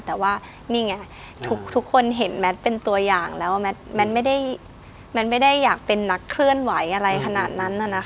แต่ว่านี่ไงทุกคนเห็นแมทเป็นตัวอย่างแล้วว่าแมทไม่ได้อยากเป็นนักเคลื่อนไหวอะไรขนาดนั้น